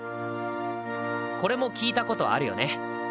これも聴いたことあるよね？